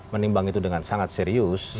menimbang itu dengan sangat serius